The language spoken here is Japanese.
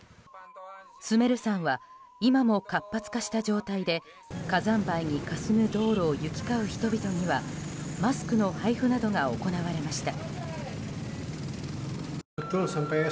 スメル山は今も活発化した状態で火山灰にかすむ道路を行き交う人々にはマスクの配布などが行われました。